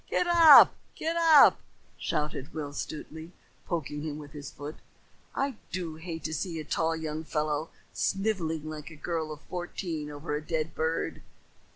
"Get up! Get up!" shouted Will Stutely, poking him with his foot. "I do hate to see a tall young fellow snivelling like a girl of fourteen over a dead bird."